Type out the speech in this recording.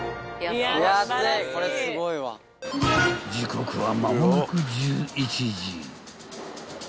［時刻は間もなく１１時］